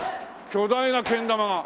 巨大なけん玉が。